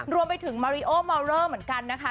รวมไปถึงมาริโอมอลเลอร์เหมือนกันนะคะ